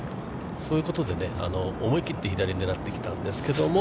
そういうことで思い切って左を狙ってきたんですけども。